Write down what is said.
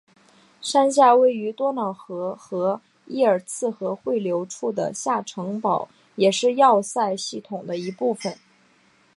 山下位于多瑙河和伊尔茨河汇流处的下城堡也是要塞系统的一部分。